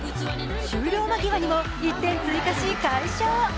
終了間際にも１点追加し、快勝。